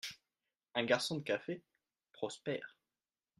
Un garçon de café : Prosper.